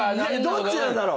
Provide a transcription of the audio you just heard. どっちなんだろう。